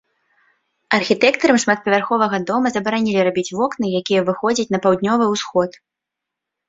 Архітэктарам шматпавярховага дома забаранілі рабіць вокны, якія выходзяць на паўднёвы ўсход.